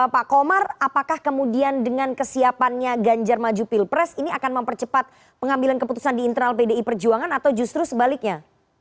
pak komar apakah kemudian dengan kesiapannya ganjar maju pilpres ini akan mempercepat pengambilan keputusan di internal pdi perjuangan atau justru sebaliknya